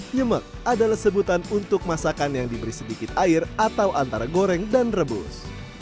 nyemek adalah sebutan untuk masakan yang diberi sedikit air atau antara goreng dan rebus